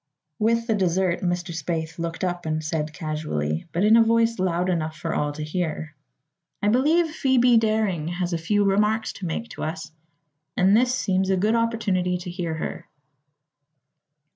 With the dessert Mr. Spaythe looked up and said casually, but in a voice loud enough for all to hear: "I believe Phoebe Daring has a few remarks to make to us, and this seems a good opportunity to hear her."